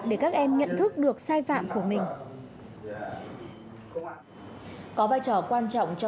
để các em nhận thức được sai phạm của mình